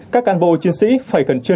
các cán bộ chiến sĩ phải cần trưa lên đường